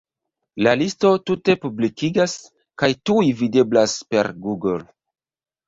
La listo tute publikas, kaj tuj videblas per Google.